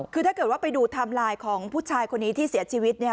คือถ้าเกิดว่าไปดูไทม์ไลน์ของผู้ชายคนนี้ที่เสียชีวิต